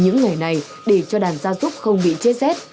những ngày này để cho đàn gia súc không bị chết rét